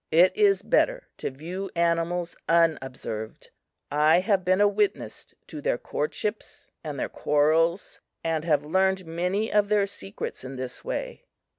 "It is better to view animals unobserved. I have been a witness to their courtships and their quarrels and have learned many of their secrets in this way.